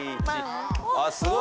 あっすごい。